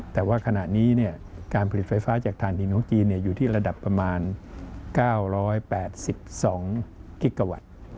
แต่ว่าขณะนี้การผลิตไฟฟ้าจากฐานดินของจีนอยู่ที่ระดับประมาณ๙๘๒กิกาวัตต์